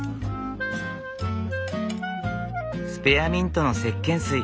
スペアミントのせっけん水。